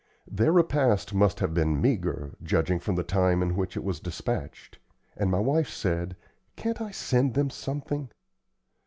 Their repast must have been meagre, judging from the time in which it was despatched, and my wife said, "Can't I send them something?"